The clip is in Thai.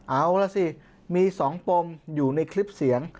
เอาล่ะสิมี๒ปมอยู่ในคลิปเสียง